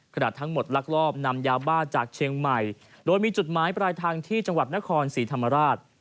ทั้งหมดลักลอบนำยาบ้าจากเชียงใหม่โดยมีจุดหมายปลายทางที่จังหวัดนครศรีธรรมราช